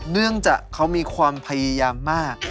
เนื่องจากเขามีความพยายามมาก